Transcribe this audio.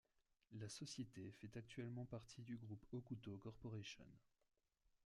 La société fait actuellement partie du groupe Hokuto Corporation.